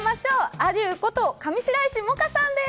ａｄｉｅｕこと上白石萌歌さんです。